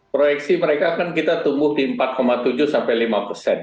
proyeksi mereka kan kita tumbuh di empat tujuh sampai lima persen